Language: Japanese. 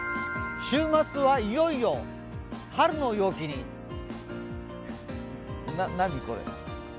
週末はいよいよ春の陽気に何これ？